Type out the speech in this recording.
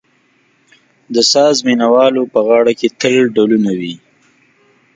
د ساز مېنانو په غاړه کې تل ډهلونه وي.